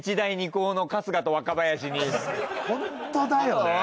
ホントだよね。